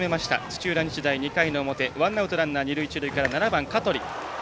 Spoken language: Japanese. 土浦日大２回の表ワンアウトランナー、二塁、一塁から７番、香取。